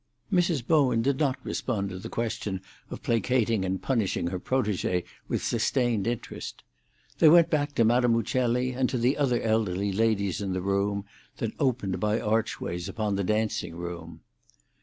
Mrs. Bowen did not respond to the question of placating and punishing her protégée with sustained interest. They went back to Madame Uccelli, and to the other elderly ladies in the room that opened by archways upon the dancing room.